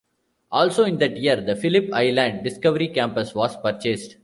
Also in that year the Philip Island Discovery Campus was purchased.